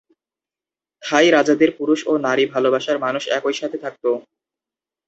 থাই রাজাদের পুরুষ ও নারী ভালোবাসার মানুষ একই সাথে থাকত।